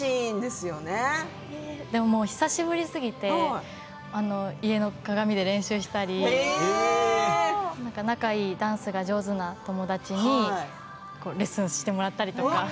久しぶりすぎて家の鏡で練習したり仲がいいダンスが上手な友達にレッスンをしてもらったりとか。